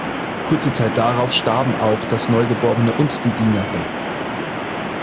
Kurze Zeit drauf starben auch das Neugeborene und die Dienerin.